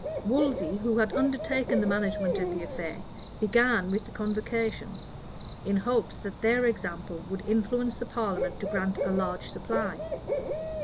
Wolsey, who had undertaken the management of the affair, began with the convocation, in hopes that their example would influence the parliament to grant a large supply.